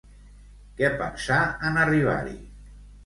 Què pensà en arribar-hi?